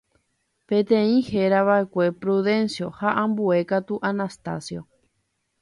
Peteĩ herava'ekue Prudencio ha ambue katu Anastacio